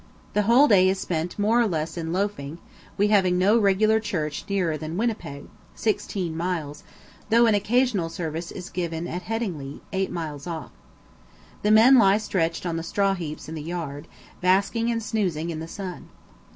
The whole day is spent more or less in loafing, we having no regular church nearer than Winnipeg, sixteen miles, though an occasional service is given at Headingley, eight miles off. The men lie stretched on the straw heaps in the yard, basking and snoozing in the sun.